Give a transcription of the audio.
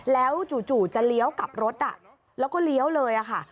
แล้วจู่จะเลี้ยวกลับรถแล้วก็เลี้ยวเลยค่ะ